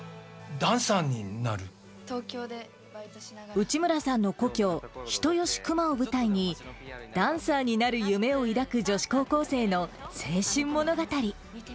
内村さんの故郷、人吉球磨を舞台に、ダンサーになる夢を抱く女子高校生の青春物語。